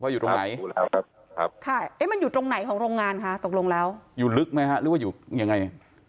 อยู่ลึกไหมครับหรือว่าอยู่อย่างไร